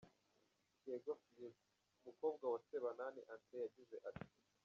Shyengo Frieda, Umukobwa wa Sebanani André, yagize ati:.